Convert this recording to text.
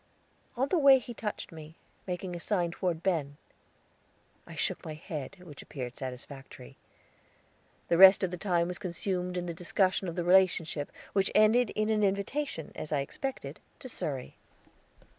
On the way he touched me, making a sign toward Ben. I shook my head, which appeared satisfactory. The rest of the time was consumed in the discussion of the relationship, which ended in an invitation, as I expected, to Surrey.